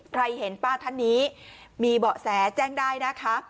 เห็นป้าท่านนี้มีเบาะแสแจ้งได้นะคะ